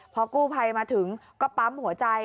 พอกู้ภัยมาถึงก็ปั๊มหัวใจ